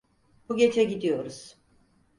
Bu gece gidiyoruz.